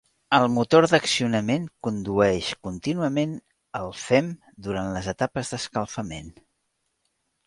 El motor d'accionament condueix contínuament el fem durant les etapes d'escalfament.